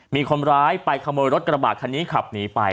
มีคนร้ายไปขโมยรถกระบาดคันนี้ขับหนีไป